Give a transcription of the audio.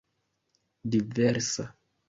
diversa